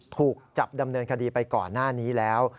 ถูกจับดำเนินคดีไปก่อนหน้านี้แล้ว